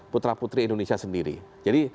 putra putri indonesia sendiri jadi